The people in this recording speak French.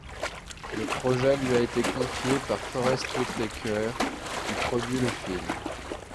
Le projet lui a été confié par Forest Whitaker, qui produit le film.